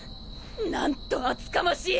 なんと厚かましい！